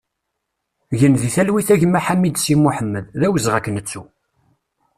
Gen di talwit a gma Ḥamideci Moḥemmed, d awezɣi ad k-nettu!